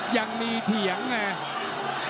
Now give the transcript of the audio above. ยังมีเถียงเนี่ย